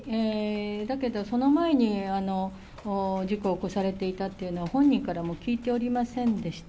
だけど、その前に事故を起こされていたというのは、本人からも聞いておりませんでした。